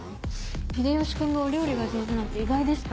秀吉君がお料理が上手なんて意外でした。